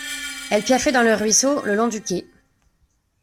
Elles piaffaient dans le ruisseau, le long du quai.